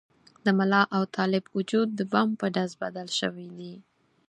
د ملا او طالب وجود د بم په ډز بدل شوي دي.